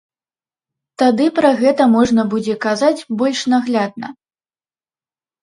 Тады пра гэта можна будзе казаць больш наглядна.